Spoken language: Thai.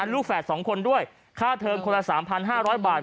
แฝด๒คนด้วยค่าเทอมคนละ๓๕๐๐บาท